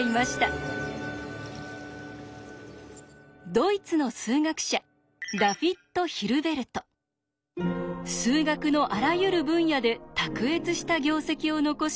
ドイツの数学者数学のあらゆる分野で卓越した業績を残し